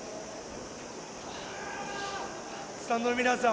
スタンドの皆さん